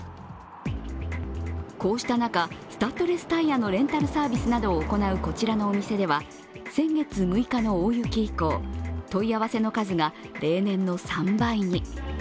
こうした中、スタッドレスタイヤのレンタルサービスなどを行うこちらのお店では先月６日の大雪以降、問い合わせの数が例年の３倍に。